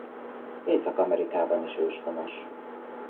Észak-Amerikában is őshonos.